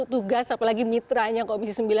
tugas apalagi mitranya komisi sembilan